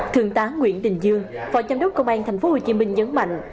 thường tá nguyễn đình dương phó chăm đốc công an tp hcm nhấn mạnh